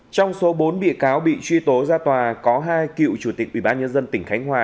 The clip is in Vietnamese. trong số bốn bị cáo bị truy tố ra tòa có hai cựu chủ tịch ủy ban nhân dân tỉnh khánh hòa